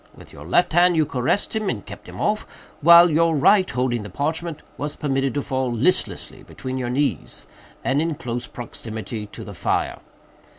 With your left hand you caressed him and kept him off, while your right, holding the parchment, was permitted to fall listlessly between your knees, and in close proximity to the fire.